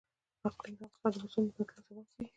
اقلیم د افغانستان د موسم د بدلون سبب کېږي.